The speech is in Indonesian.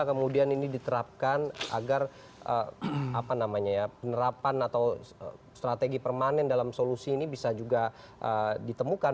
kemudian langkah langkah yang tadi sudah disampaikan oleh klhk bisa kemudian ini diterapkan agar penerapan atau strategi permanen dalam solusi ini bisa juga ditemukan